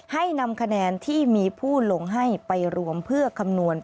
ให้นำคะแนนที่มีผู้ลงให้ไปรวมเพื่อคำนวณ